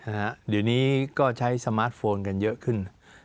เดี๋ยวนี้ก็ใช้สมาร์ทโฟนกันเยอะขึ้น